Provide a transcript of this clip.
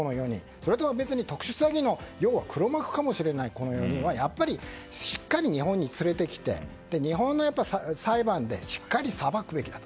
それと別に特殊詐欺の黒幕かもしれないこの４人はやっぱりしっかり日本に連れてきて日本の裁判でしっかり裁くべきだと。